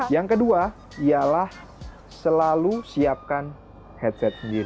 yang kedua ialah selalu siapkan headset sendiri